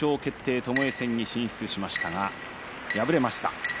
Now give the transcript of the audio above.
ともえ戦に進出しましたが敗れました。